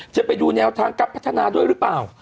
จะไปดูแนวทางการพัฒนาด้วยหรือเปล่า